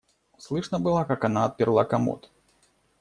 Слышно было, как она отперла комод.